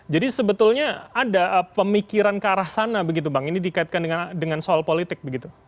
jadi sebetulnya ada pemikiran ke arah sana ini dikaitkan dengan soal politik